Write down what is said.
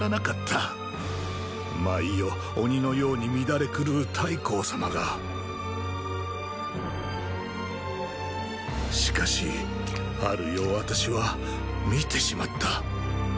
毎夜鬼のように乱れ狂う太后様がしかしある夜私は見てしまった。